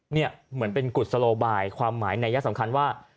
นี่เหมือนเป็นกุศโลบายความหมายนัยยะสำคัญว่า